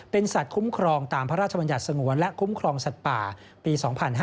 เป็นสัตว์คุ้มครองตามพระราชบัญญัติสงวนและคุ้มครองสัตว์ป่าปี๒๕๕๙